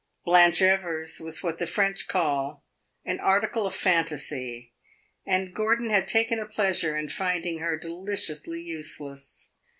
Blanche Evers was what the French call an article of fantasy, and Gordon had taken a pleasure in finding her deliciously useless.